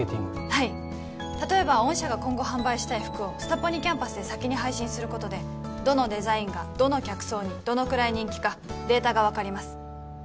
はい例えば御社が今後販売したい服をスタポニキャンパスで先に配信することでどのデザインがどの客層にどのくらい人気かデータが分かります